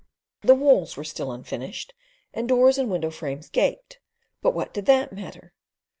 The walls were still unfinished, and doors and window frames gaped; but what did that matter?